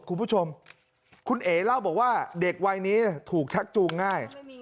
คุณผู้ชมคุณเอ๋เล่าบอกว่าเด็กวัยนี้ถูกชักจูงง่าย